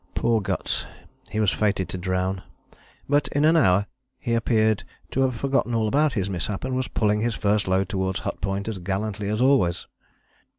Poor Guts! He was fated to drown: but in an hour he appeared to have forgotten all about his mishap, and was pulling his first load towards Hut Point as gallantly as always.